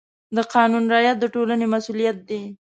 د قانون رعایت د ټولنې مسؤلیت دی.